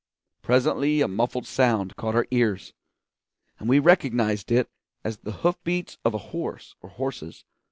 Presently a muffled sound caught our ears, and we recognised it as the hoof beats of a horse or horses.